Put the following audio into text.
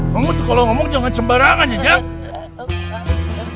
kamu tuh kalau ngomong jangan cembarangan ya kang